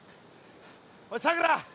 おいさくら